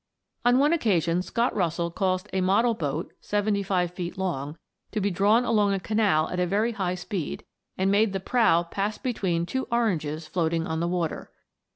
On one occasion Scott Russell caused a model boat, 75 feet long, to be drawn along a canal at a very high speed, and made the prow pass between two oranges floating on the water.